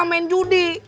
kagak main judi